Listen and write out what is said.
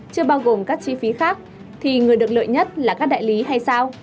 chưa bao gồm các chi phí khác thì người được lợi nhất là các đại lý hay sao